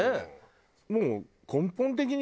もう根本的に何？